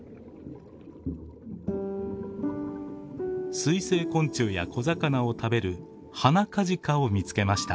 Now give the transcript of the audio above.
水生昆虫や小魚を食べるハナカジカを見つけました。